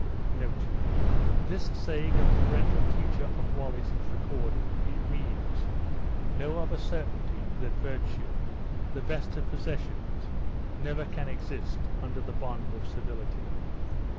"This saying of the parental teacher of Wallace is recorded. It means, "Know of a certainty that virtue, the best of possessions, never can exist under the bond of servility."